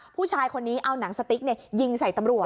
ผู้ชายคนนี้เอาหนังสติ๊กยิงใส่ตำรวจ